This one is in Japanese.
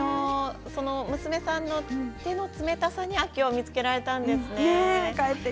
娘さんの手の冷たさに秋を見つけられたんですね。